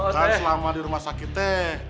kan selama di rumah sakit teh